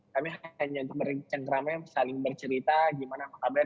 kami hanya bercerita ceritanya gimana apa kabar